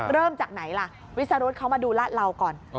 เริ่มจากไหนล่ะวิสรุทธ์เขามาดูรถเราก่อน